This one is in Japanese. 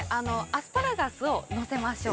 アスパラガスをのせましょう。